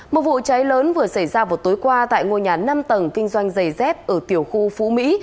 một vụ cháy lớn vừa xảy ra vào tối qua tại ngôi nhà năm tầng kinh doanh giày dép ở tiểu khu phú mỹ